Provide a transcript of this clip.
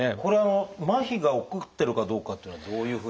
まひが起こってるかどうかっていうのはどういうふうに。